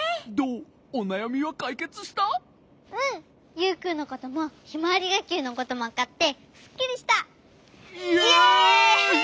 ユウくんのこともひまわりがっきゅうのこともわかってすっきりした！イェイ！